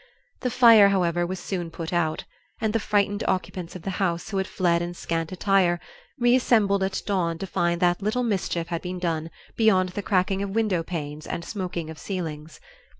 The fire, however, was soon put out, and the frightened occupants of the house, who had fled in scant attire, reassembled at dawn to find that little mischief had been done beyond the cracking of window panes and smoking of ceilings.